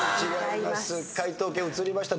解答権移りました。